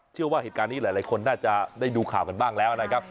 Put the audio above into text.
เชื่อว่าเหตุการณ์นี้หลายคนน่าจะได้ดูข่าวกันบ้างแล้วนะครับ